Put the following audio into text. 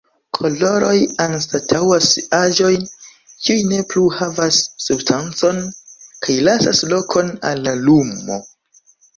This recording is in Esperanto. Koloroj anstataŭas aĵojn, kiuj ne plu havas substancon kaj lasas lokon al la lumo.